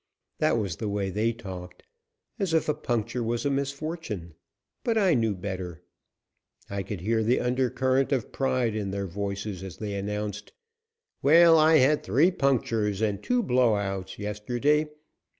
That was the way they talked as if a puncture was a misfortune but I knew better. I could hear the undercurrent of pride in their voices as they announced: "Well, I had three punctures and two blow outs yesterday.